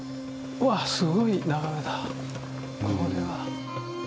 うわすごい眺めだこれは。